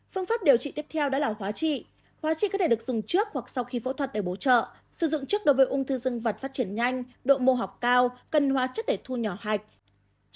phương pháp điều trị tiếp theo đã là hóa trị hóa trị có thể được dùng trước hoặc sau khi phẫu thuật để bổ trợ sử dụng trước đối với ung thư dân vật phát triển nhanh độ mô học cao cần hóa chất để thu nhỏ hạch